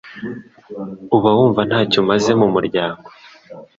uba wumva ntacyo umaze mu muryango